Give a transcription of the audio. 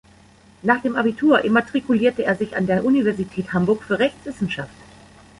Nach dem Abitur immatrikulierte er sich an der Universität Hamburg für Rechtswissenschaft.